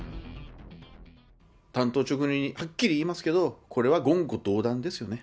単刀直入にはっきり言いますけど、これは言語道断ですよね。